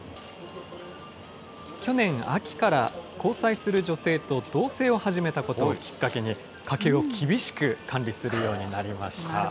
去年秋から交際する女性と同せいを始めたことをきっかけに、家計を厳しく管理するようになりました。